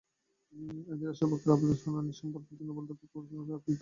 এদিন রাষ্ট্রপক্ষের আবেদনের শুনানি সোমবার পর্যন্ত মুলতবি রাখেন আপিল বিভাগ।